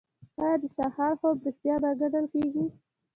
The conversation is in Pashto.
آیا د سهار خوب ریښتیا نه ګڼل کیږي؟